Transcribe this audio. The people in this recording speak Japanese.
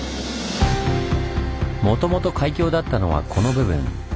もともと海峡だったのはこの部分。